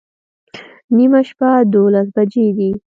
نیمه شپه دوولس بجې دي